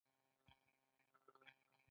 دوهم برخه الکترونیک او د الو تولید دی.